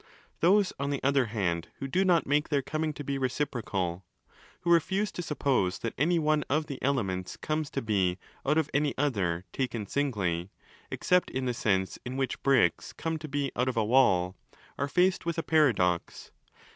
Those, on the other hand, who do not make their coming to be reciprocal—who refuse to suppose that any one of the 'elements' comes to be out of any other taken 20 s7ugly, except in the sense in which bricks come to be out of a wall—are faced with a paradox.